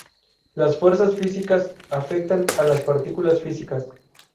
Las fuerzas físicas afectan a las partículas físicas.